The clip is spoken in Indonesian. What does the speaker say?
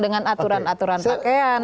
dengan aturan aturan pakaian